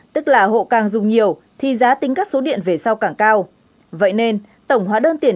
tức là hộ càng dùng nhiều thì giá tính các số điện vừa tăng cao đột biến